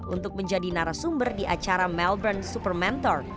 untuk menjadi narasumber di acara melbourne super mentor